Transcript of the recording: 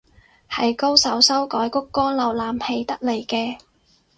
係高手修改谷歌瀏覽器得嚟嘅